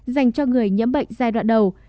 dành cho người nhiễm bệnh giai đoạn đầu